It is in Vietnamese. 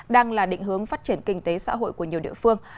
đang là định hướng phát triển kinh tế xã hội của nhiều địa phương